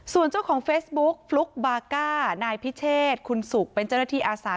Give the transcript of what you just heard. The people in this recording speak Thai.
ส่วนเจ้าของเฟซบุ๊กฟลุ๊กบาก้านายพิเชษคุณสุกเป็นเจ้าหน้าที่อาสา